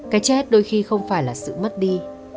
cái chết đôi khi không phải là sự mất đi